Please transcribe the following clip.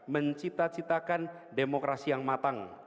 mencita citakan demokrasi yang matang